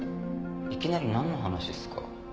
いきなりなんの話っすか？